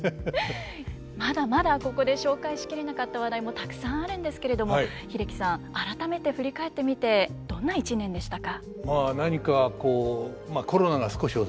まだまだここで紹介し切れなかった話題もたくさんあるんですけれども英樹さん改めて振り返ってみてどんな一年でしたか？